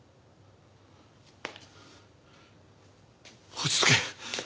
落ち着け。